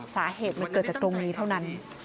สาเหตุมันเกิดจากตรงนี้เท่านั้น